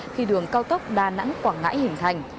khi đường cao tốc đà nẵng quảng ngãi hình thành